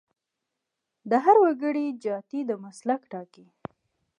د هر وګړي جاتي د مسلک ټاکي.